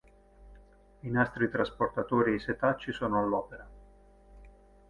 I nastri trasportatori e i setacci sono all'opera.